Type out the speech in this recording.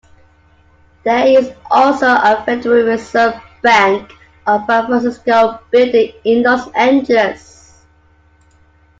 There is also a Federal Reserve Bank of San Francisco building in Los Angeles.